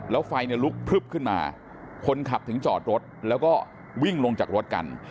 แล้วไฟเนี่ยลุกพลึบขึ้นมาคนขับถึงจอดรถแล้วก็วิ่งลงจากรถกัน